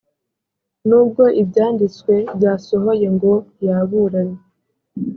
nubwo ibyanditswe byasohoye ngo yaburanye